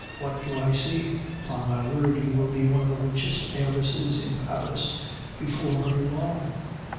what do I see? Upon my word, you will be one of the richest heiresses in Paris before very long.